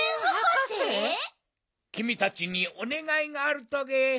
きみたちにおねがいがあるトゲ。